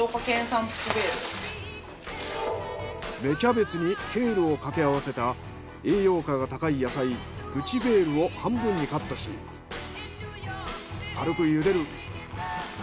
芽キャベツにケールを掛け合わせた栄養価が高い野菜プチヴェールを半分にカットし軽くゆでる。